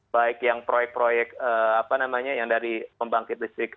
baik yang proyek proyek yang dari pembangkit listrik